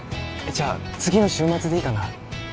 じゃあ次の週末でいいかな？